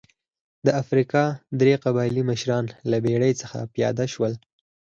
د افریقا درې قبایلي مشران له بېړۍ څخه پیاده شول.